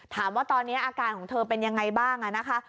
ถามว่าตอนนี้อาการของเธอเป็นยังไงบ้างนะคะ